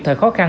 thời khó khăn